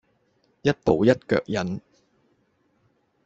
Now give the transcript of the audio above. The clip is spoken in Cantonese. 一步一個腳印